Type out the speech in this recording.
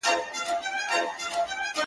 دا پېغلتوب مي په غم زوړکې!.